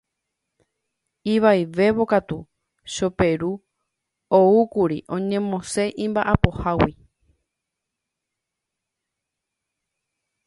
Ivaivévo katu Choperu oúkuri oñemosẽ imba'apohágui.